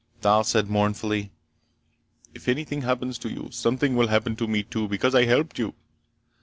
Thal said mournfully: "If anything happens to you, something will happen to me too, because I helped you."